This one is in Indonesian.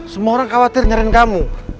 semua orang khawatir nyaran kamu